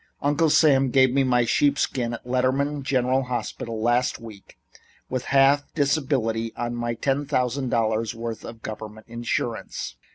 "Uncle Sam gave me my sheepskin at Letter man General Hospital last week, with half disability on my ten thousand dollars' worth of government insurance.